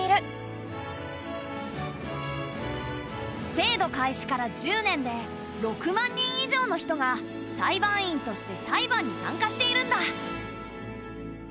制度開始から１０年で６万人以上の人が裁判員として裁判に参加しているんだ。